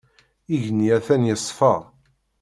Igenni atan yeṣfa.